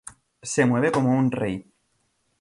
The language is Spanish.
Se mueve como un rey.